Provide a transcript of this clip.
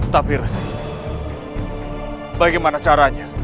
tapi resmi bagaimana caranya